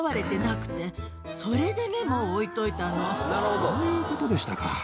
そういうことでしたか。